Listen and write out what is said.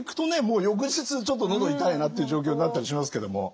もう翌日ちょっと喉痛いなという状況になったりしますけども。